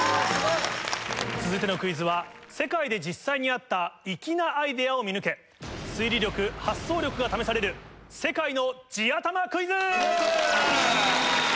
続いてのクイズは世界で実際にあった粋なアイデアを見抜け。が試される「世界の地頭クイズ」。